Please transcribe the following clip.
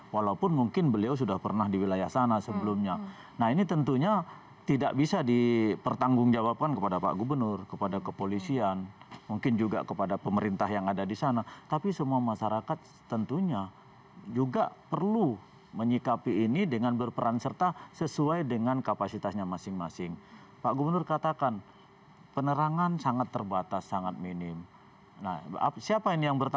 walaupun mungkin beliau sudah pernah di wilayah sana sebelumnya